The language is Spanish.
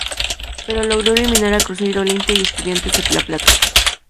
Pero logró eliminar a Cruzeiro, Olimpia y Estudiantes de la Plata.